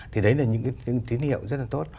thì đấy là những cái tín hiệu rất là tốt